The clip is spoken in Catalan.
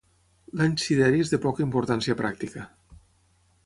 L'any sideri és de poca importància pràctica.